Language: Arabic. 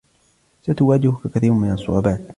ستواجهك كثير من الصعوبات.